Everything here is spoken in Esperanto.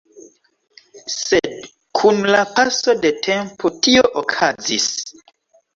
Sed kun la paso de tempo, tio okazis.